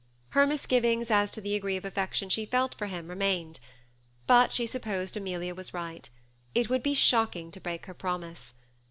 Her misgivings as to the degree of affection she felt for hin^ remained; but she sup posed Amelia was right: it would be shocking to HE SEMI ATTACHED COUPLE. 37 break >^]ier promise.